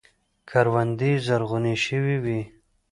کروندې زرغونې شوې وې.